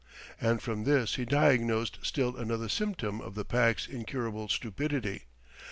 And from this he diagnosed still another symptom of the Pack's incurable stupidity!